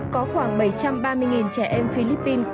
có khoảng bảy trăm ba mươi trẻ em philippines